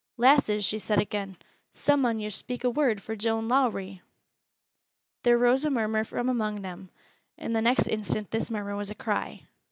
"Lasses," she said again, "some on yo' speak a word for Joan Lowrie!" There rose a murmur among them then, and the next instant this murmur was a cry.